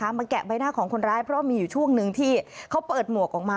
แกะใบหน้าของคนร้ายเพราะมีอยู่ช่วงหนึ่งที่เขาเปิดหมวกออกมา